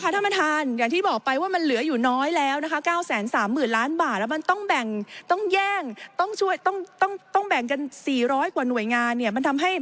แธมมะทานอย่างที่บอกไปว่ามันเหลืออยู่น้อยล้าชม